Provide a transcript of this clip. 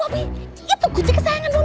popi itu kucing kesayangan bomi